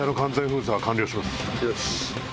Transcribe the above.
よし。